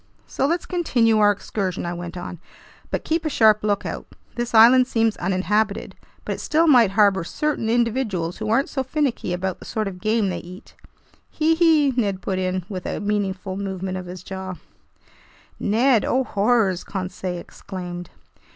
"So let's continue our excursion," I went on, "but keep a sharp lookout. This island seems uninhabited, but it still might harbor certain individuals who aren't so finicky about the sort of game they eat!" "Hee hee!" Ned put in, with a meaningful movement of his jaws. "Ned! Oh horrors!" Conseil exclaimed.